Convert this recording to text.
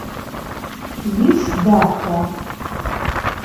Vuişş daxa?